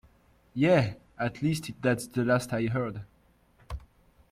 Yeah, at least that's the last I heard.